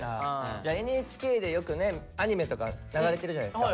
じゃあＮＨＫでよくねアニメとか流れてるじゃないですか。